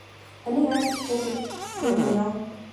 Таныг айлгаж цочоодог юм байна уу.